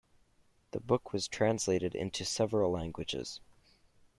The book was translated into several languages.